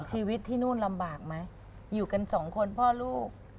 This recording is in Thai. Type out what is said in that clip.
ชีวิตที่นู่นลำบากไหมอยู่กันสองคนพ่อลูก